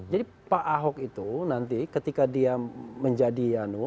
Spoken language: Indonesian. jadi pak ahok itu nanti ketika dia menjadi ianu